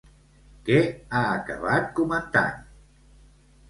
Què ha acabat comentant?